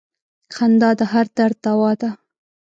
• خندا د هر درد دوا ده.